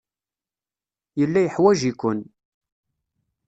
Yella yeḥwaj-iken.